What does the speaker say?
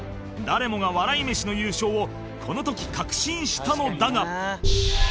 誰もが笑い飯の優勝をこの時確信したのだが